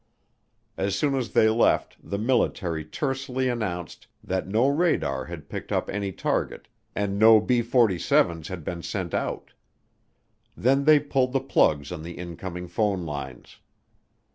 As soon as they left, the military tersely announced that no radar had picked up any target and no B 47's had been sent out. Then they pulled the plugs on the incoming phone lines.